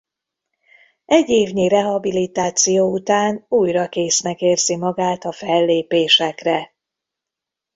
Egy évnyi rehabilitáció után újra késznek érzi magát a fellépésekre.